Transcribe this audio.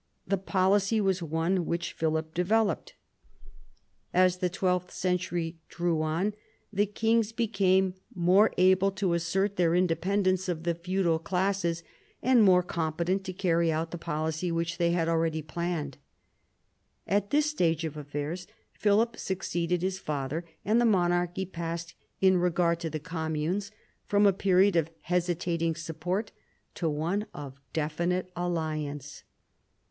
The policy was one which Philip developed. As the twelfth century 142 PHILIP AUGUSTUS chap. drew on, the kings became more able to assert their independence of the feudal classes, and more com petent to carry out the policy which they had already planned. At this stage of affairs Philip succeeded his father, and the monarchy passed, in regard to the communes, from a period of hesitating support to one of definite alliance.